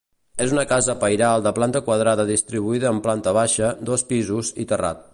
És una casa pairal de planta quadrada distribuïda en planta baixa, dos pisos i terrat.